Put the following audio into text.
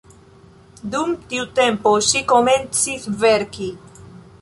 Dum tiu tempo ŝi komencis verki.